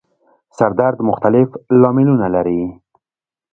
سر درد مختلف لاملونه لري